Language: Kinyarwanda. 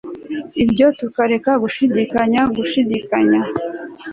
bityo tukareka gushidikanya ku gushidikanya